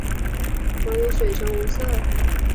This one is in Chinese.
溶于水呈无色。